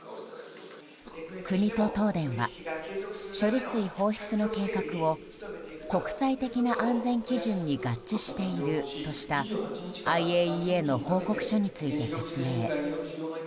国と東電は処理水放出の計画を国際的な安全基準に合致しているとしたＩＡＥＡの報告書について説明。